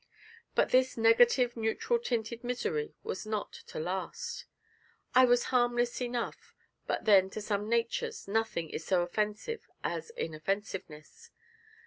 But this negative neutral tinted misery was not to last; I was harmless enough, but then to some natures nothing is so offensive as inoffensiveness.